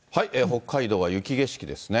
北海道は雪景色ですね。